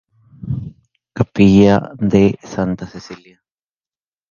Capilla de Santa Cecilia.